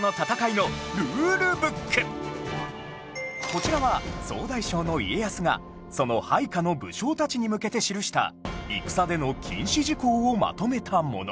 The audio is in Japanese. こちらは総大将の家康がその配下の武将たちに向けて記した戦での禁止事項をまとめたもの